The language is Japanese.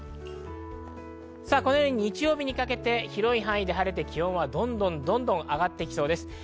日曜日にかけて広い範囲で晴れて、気温はどんどんと上がってきそうです。